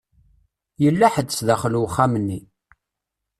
Yella ḥedd sdaxel wexxam-nni.